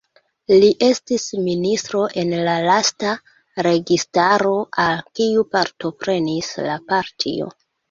Li estis ministro en la lasta registaro al kiu partoprenis la partio.